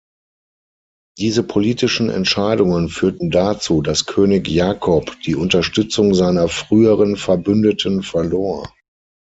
Diese politischen Entscheidungen führten dazu, dass König Jakob die Unterstützung seiner früheren Verbündeten verlor.